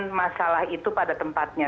menyelesaikan masalah itu pada tempatnya